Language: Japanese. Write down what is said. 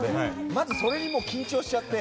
まずそれにもう緊張しちゃって。